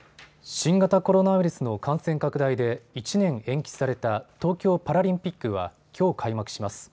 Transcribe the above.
新型コロナウイルスの感染拡大で１年延期された東京パラリンピックはきょう開幕します。